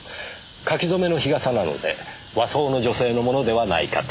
柿染めの日傘なので和装の女性のものではないかと。